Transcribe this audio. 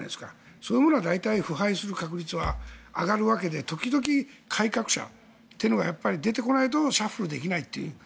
そういうものは大体腐敗する確率は上がるわけで時々、改革者というのが出てこないとシャッフルできないと。